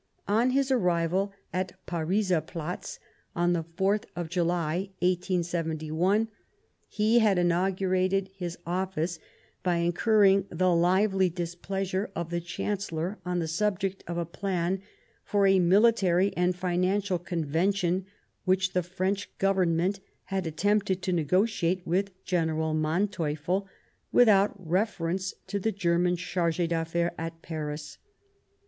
On his arrival at the Pariserplatz on the 4th of July, 187 1, he had inaugurated his office by incurring the lively displeasure of the Chancellor on the subject of a plan for a military and financial convention which the French Govern ment had attempted to negotiate with General Manteuffel, without reference to the German Charge d'Affaires at Paris.